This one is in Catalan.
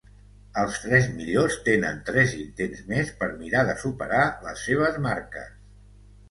Els tres millors tenen tres intents més per mirar de superar les seves marques.